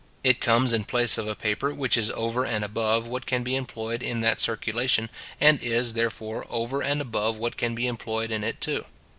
It comes in place of a paper which is over and above what can be employed in that circulation, and is, therefore, over and above what can be employed in it too.